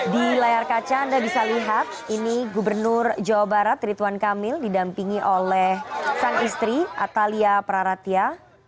di layar kaca anda bisa lihat ini gubernur jawa barat rituan kamil didampingi oleh sang istri atalia praratia